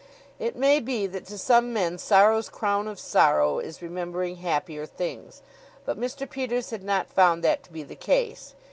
It may be that to some men sorrow's crown of sorrow is remembering happier things; but Mr. Peters had not found that to be the case.